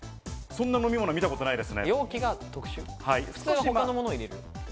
そんな飲み物、見たことないですね。